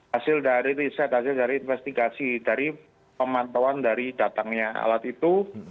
hasil dari riset hasil dari investigasi dari pemantauan dari datangnya alat itu